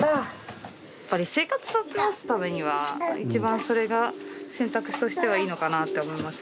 やっぱり生活立て直すためには一番それが選択肢としてはいいのかなって思いますけど。